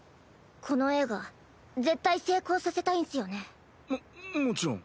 この映画絶対成功させたいんスよね？ももちろん。